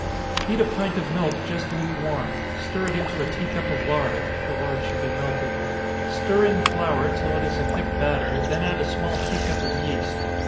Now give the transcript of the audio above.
_ Heat a pint of milk just lukewarm stir into it a tea cup of lard, (the lard should be melted.) Stir in flour, till it is a thick batter, then add a small tea cup of yeast.